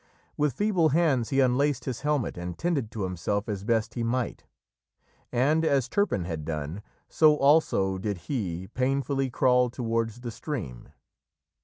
With feeble hands he unlaced his helmet and tended to himself as best he might. And, as Turpin had done, so also did he painfully crawl towards the stream.